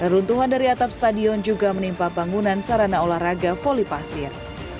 runtuhan dari atap stadion juga menimpa bangunan sarana olahraga voli pasir